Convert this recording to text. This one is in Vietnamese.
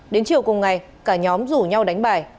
đến chiều cùng ngày cả nhóm rủ nhau đánh bài